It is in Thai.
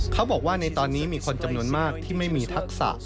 เขาบอกว่าในตอนนี้มีคนจำนวนมากที่ไม่มีทักษะ